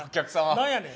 何やねん？